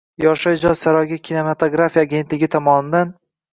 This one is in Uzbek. Yoshlar ijod saroyida Kinematografiya agentligi tomonidan